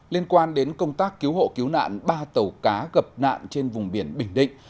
liên quan đến công tác cứu hộ cứu nạn ba tàu cá gập nạn trên vùng biển bình định